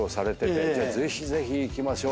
ぜひぜひ行きましょう。